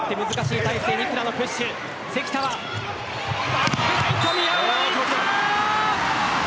バックライト宮浦でいった。